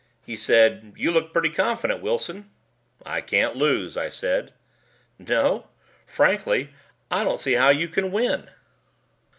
He said: "You look pretty confident, Wilson." "I can't lose," I said. "No? Frankly I don't see how you can win."